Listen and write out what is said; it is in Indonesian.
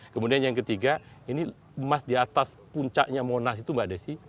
kemudian yang ketiga ini emas di atas puncaknya monas itu mbak desi